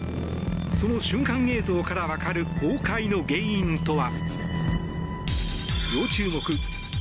その瞬間映像からわかる崩壊の原因とは。